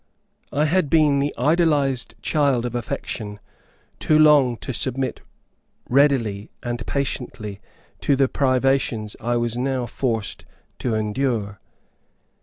I had been the idolized child of affection too long to submit readily and patiently to the privations I was now forced to endure.